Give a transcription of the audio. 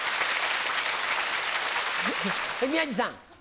宮治さん。